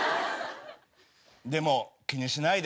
でも気にしないで？